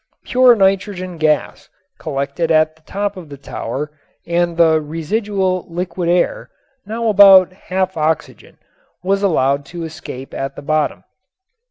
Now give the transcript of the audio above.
Pure nitrogen gas collected at the top of the tower and the residual liquid air, now about half oxygen, was allowed to escape at the bottom.